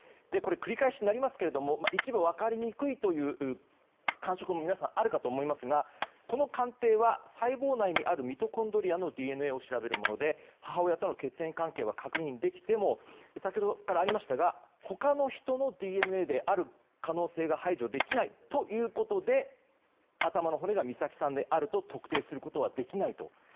繰り返しになりますけども一部、分かりにくいという感触も皆さんあるかと思いますがこの鑑定は、細胞内にあるミトコンドリアのＤＮＡを調べるもので母親との血縁関係は確認できても先ほどからありましたが他の人のＤＮＡである可能性が排除できないということで頭の骨が美咲さんであると特定することはできないと。